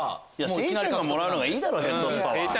聖ちゃんがもらうのがいいだろヘッドスパは。